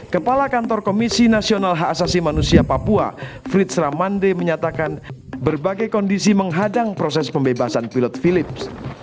kepala kantor komisi nasional hak asasi manusia papua fritzra mande menyatakan berbagai kondisi menghadang proses pembebasan pilot philips